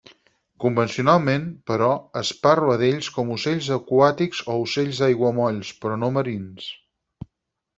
Convencionalment, però, es parla d'ells com ocells aquàtics o ocells d'aiguamolls però no marins.